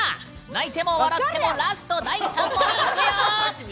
泣いても笑ってもラスト第３問いくよ！